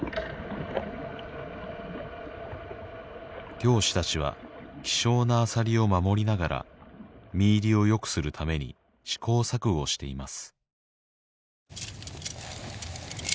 漁師たちは希少なアサリを守りながら身入りをよくするために試行錯誤しています